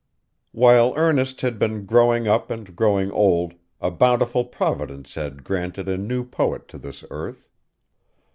While Ernest had been growing up and growing old, a bountiful Providence had granted a new poet to this earth.